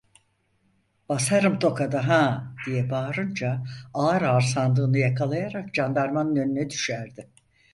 "Basarım tokadı ha!" diye bağırınca ağır ağır sandığını yakalayarak candarmanın önüne düşerdi.